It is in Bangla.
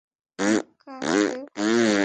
ধাক্কা আসতে চলেছে।